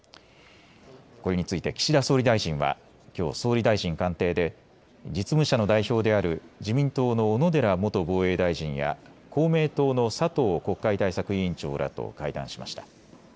これについて岸田総理大臣はきょう総理大臣官邸で実務者の代表である自民党の小野寺元防衛大臣や公明党の佐藤国会対策委員長らと会談しました。